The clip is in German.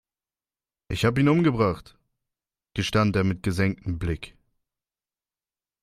Ich habe ihn umgebracht, gestand er mit gesenktem Blick.